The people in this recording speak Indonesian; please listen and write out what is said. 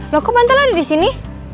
loh kok bantal ada disini